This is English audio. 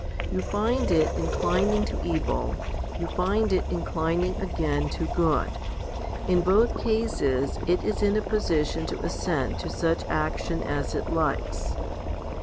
You find it inclining to evil, you find it inclining again to good. In both cases it is in a position to assent to such action as it likes.